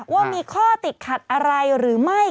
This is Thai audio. ว่ามีข้อติดขัดอะไรหรือไม่